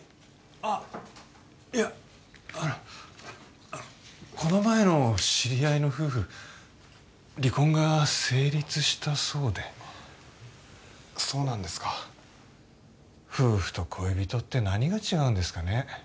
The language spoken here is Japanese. あっいやこの前の知り合いの夫婦離婚が成立したそうでそうなんですか夫婦と恋人って何が違うんですかね